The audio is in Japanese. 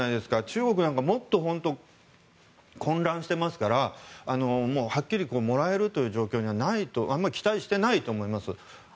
中国なんかもっと本当、混乱してますからはっきりもらえるという状況にはないとあまり期待していないと思います。